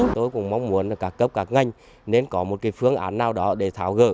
tôi cũng mong muốn các cấp các ngành nên có một phương án nào đó để tháo gỡ